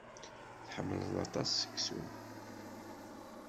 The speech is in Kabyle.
Tḥemmleḍ aṭas seksu?